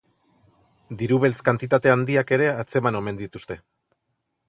Diru beltz kantitate handiak ere atzeman omen dituzte.